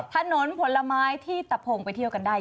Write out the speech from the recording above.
ถนนผลไม้ที่ตะพงไปเที่ยวกันได้